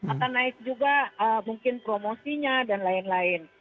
akan naik juga mungkin promosinya dan lain lain